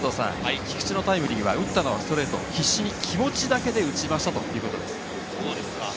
菊池のタイムリー、打ったのはストレート、必死に気持ちだけで打ちましたということです。